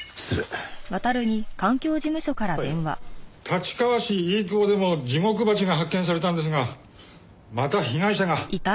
立川市飯窪でもジゴクバチが発見されたんですがまた被害者が。